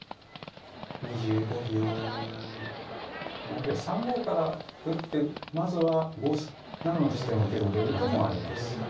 あるいは３五から打ってまずは５七の地点を受けるという手もあります。